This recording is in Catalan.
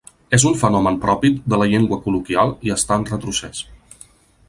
És un fenomen propi de la llengua col·loquial i està en retrocés.